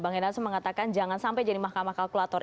bang henarso mengatakan jangan sampai jadi mahkamah kalkulator